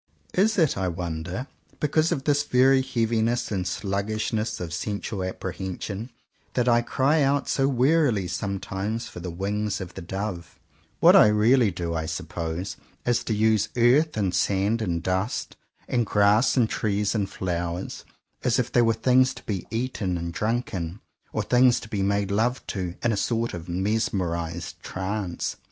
Is it I wonder, because of this very heaviness and sluggishness of sensual ap prehension that I cry out so wearily some times for the "wings of the dove.?" What 170 JOHN COWPER POWYS I really do, I suppose, is to use earth and sand and dust, and grass and trees and flowers, as if they were things to be eaten and drunken, or things to be made love to, in a sort of mesmerized trance.